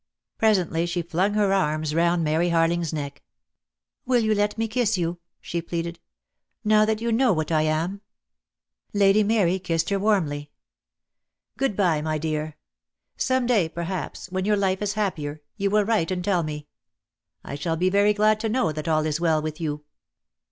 Presently she flung her arms round Mary Harling's neck. "Will you let me kiss you?" she pleaded. "Now that you know what I am." '• Lady Mary kissed her warmly. ';■ "Good bye, my dear. Some day, perhaps, when your life is happier, you ^vill \vrite and tell me. I shall be very glad to know that all is well with you."